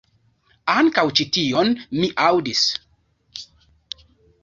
Ankaŭ ĉi tion mi aŭdis.